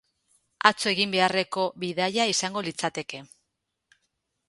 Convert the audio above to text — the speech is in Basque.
Atzo egin beharreko bidaia izango litzateke.